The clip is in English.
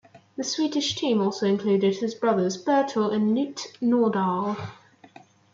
The Swedish team also included his brothers Bertil and Knut Nordahl.